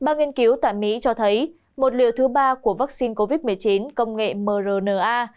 ba nghiên cứu tại mỹ cho thấy một liều thứ ba của vaccine covid một mươi chín công nghệ mrna